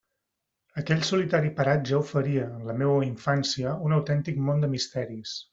Aquell solitari paratge oferia, en la meua infància, un autèntic món de misteris.